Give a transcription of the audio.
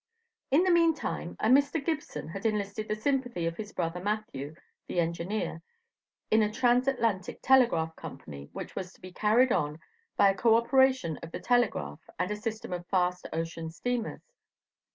In the meantime, a Mr. Gibson had enlisted the sympathy of his brother Matthew, the engineer, in a transatlantic telegraph company, which was to be carried on by a co operation of the telegraph, and a system of fast ocean steamers.